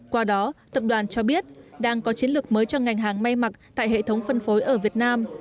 qua đó tập đoàn cho biết đang có chiến lược mới cho ngành hàng may mặc tại hệ thống phân phối ở việt nam